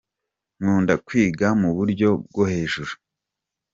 nkunda kwiga muburyo bwohejuru